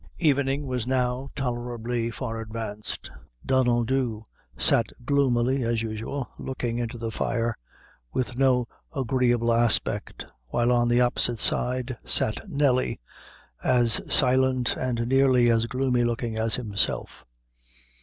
Evening was now tolerably far advanced; Donnel Dhu sat gloomily, as usual, looking into the fire, with no agreeable aspect; while on the opposite side sat Nelly, as silent and nearly as gloomy looking as himself.